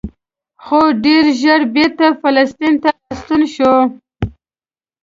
خو ډېر ژر بېرته فلسطین ته راستون شو.